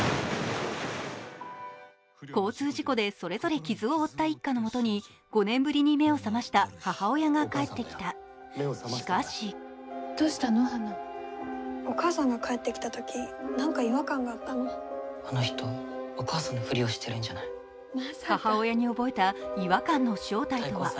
交通事故でそれぞれ傷を負った一家の元に５年ぶりに目を覚ました母親が帰ってきた、しかし母親に覚えた違和感の正体とは。